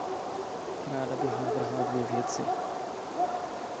Ráda bych navrhla dvě věci.